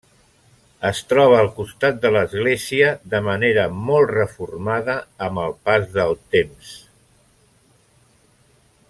Es troba al costat de l'església de manera molt reformada amb el pas del temps.